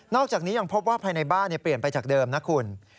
อกจากนี้ยังพบว่าภายในบ้านเปลี่ยนไปจากเดิมนะคุณ